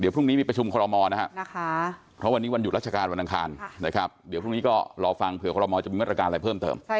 วันนี้ก็รอฟังเผื่อคอลโลมอนมีเมื่อราการอะไรเพิ่มเติม